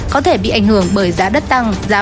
có thể bị ảnh hưởng bởi giá đất tăng giá